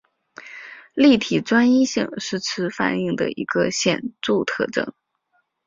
立体专一性是此反应的一个显着特征。